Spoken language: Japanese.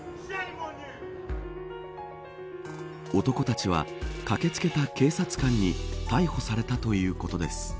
男たちは駆けつけた警察官に逮捕されたということです。